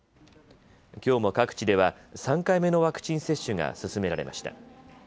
きょうも各地では３回目のワクチン接種が進められました。